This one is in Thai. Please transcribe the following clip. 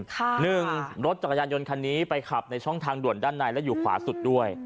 หนึ่งรถจักรยานยนต์คันนี้ไปขับในช่องทางด่วนด้านในและอยู่ขวาสุดด้วย